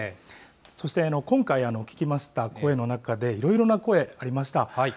そして、今回聞きました声の中で、いろいろな声ありました。